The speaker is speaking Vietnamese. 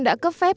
đã cấp phép